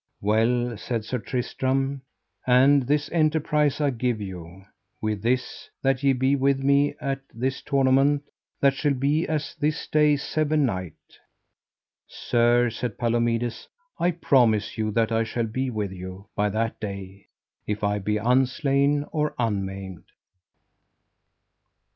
Well, said Sir Tristram, and this enterprise I give you, with this, that ye be with me at this tournament that shall be as this day seven night. Sir, said Palomides, I promise you that I shall be with you by that day if I be unslain or unmaimed.